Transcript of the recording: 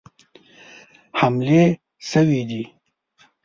حملې سوي دي.